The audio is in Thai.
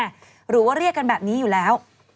หรือว่าเรียกกันแบบนี้อยู่แล้ว